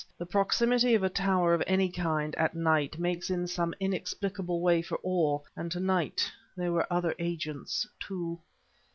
The proximity of a tower of any kind, at night, makes in some inexplicable way for awe, and to night there were other agents, too.